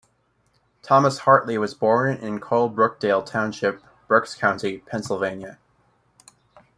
Thomas Hartley was born in Colebrookdale Township, Berks County, Pennsylvania.